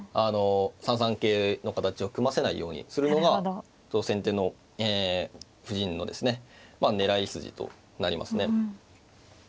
３三桂の形を組ませないようにするのが先手の布陣のですね狙い筋となりますね。